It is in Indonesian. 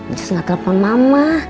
njus gak telepon mama